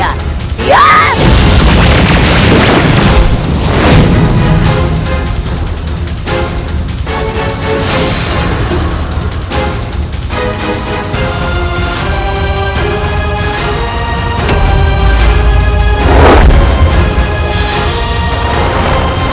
atau masih aktif